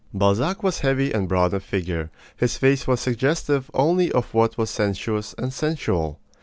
Balzac was heavy and broad of figure. His face was suggestive only of what was sensuous and sensual.